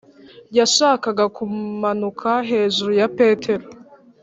yashakaga kumanuka hejuru ya petero;